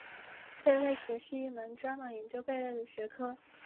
贝类学是一门专门研究贝类的学科。